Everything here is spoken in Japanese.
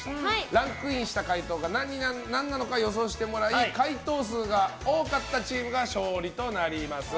ランクインした回答が何なのか予想してもらい回答数が多かったチームが勝利となります。